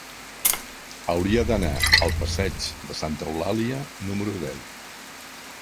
Hauria d'anar al passeig de Santa Eulàlia número deu.